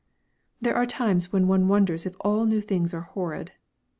There are times when one wonders if all new things are horrid!